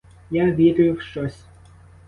Я вірю в щось.